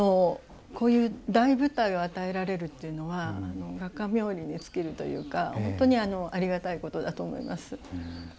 こういう大舞台を与えられるというのは画家冥利に尽きるというか本当にありがたいことだと思います。